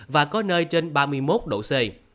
và có nơi trên ba mươi một độ c